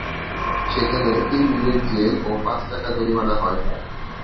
সেখানে তিন দিনের জেল ও পাঁচ টাকা জরিমানা হয় তাঁর।